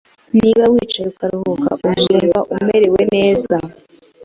Niba wicaye ukaruhuka, uzumva umerewe neza.